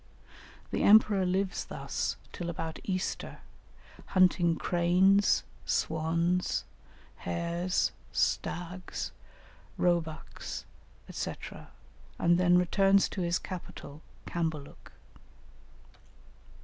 The emperor lives thus till about Easter, hunting cranes, swans, hares, stags, roebucks, &c., and then returns to his capital, Cambaluc.